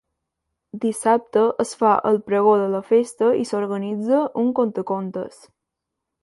Dissabte es fa el pregó de la festa i s'organitza un contacontes.